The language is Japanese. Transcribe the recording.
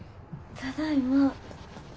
ただいま。